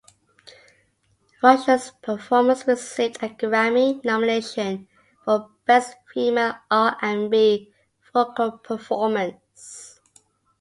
Rushen's performance received a Grammy nomination for Best Female R and B Vocal Performance.